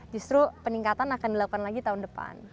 justru peningkatan akan dilakukan lagi tahun depan